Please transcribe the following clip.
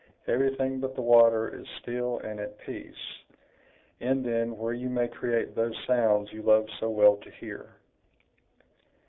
everything but the water is still and at peace; in, then, where you may create those sounds you love so well to hear."